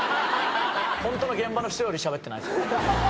本当の現場の人よりしゃべってない。